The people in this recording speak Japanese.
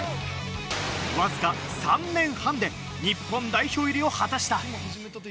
わずか３年半で日本代表入りを果たした。